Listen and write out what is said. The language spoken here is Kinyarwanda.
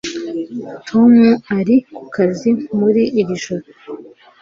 tom ari ku kazi muri iri joro